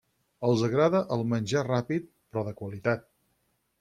Els agrada el menjar ràpid, però de qualitat.